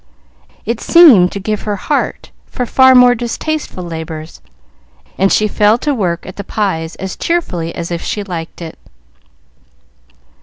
It seemed to give her heart for more distasteful labors, and she fell to work at the pies as cheerfully as if she liked it.